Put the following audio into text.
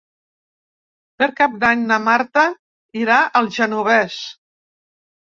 Per Cap d'Any na Marta irà al Genovés.